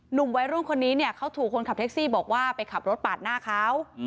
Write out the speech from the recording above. หนุ่มวัยรุ่นคนนี้เนี่ยเขาถูกคนขับแท็กซี่บอกว่าไปขับรถปาดหน้าเขา